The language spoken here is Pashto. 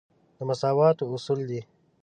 د مساواتو اصول دی.